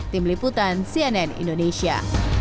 tim liputan cnn indonesia